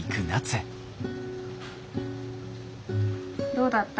どうだった？